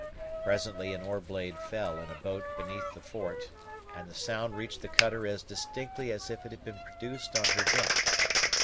Presently an oar blade fell in a boat beneath the fort, and the sound reached the cutter as distinctly as if it had been produced on her deck.